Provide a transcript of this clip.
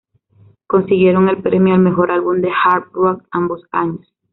Consiguieron el premio al mejor álbum de Hard rock ambos años.